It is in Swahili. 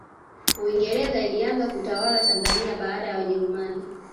uingereza ilianza kuitawala tanzania baada ya wajerumani